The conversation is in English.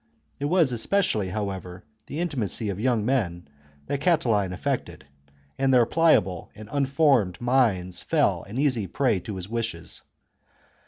It was especially,, however, the intimacy of young men that Catiline affected ; and their pliable and unformed minds fell an easy prey to his wiles.